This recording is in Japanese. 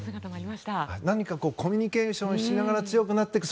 何か、コミュニケーションしながら強くなっていく。